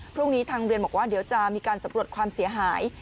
พรุ่งนี้ทางเรียนบอกว่าเดี๋ยวจะมีการสำรวจความเสียหาย